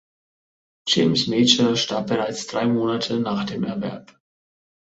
James Mayer starb bereits drei Monate nach dem Erwerb.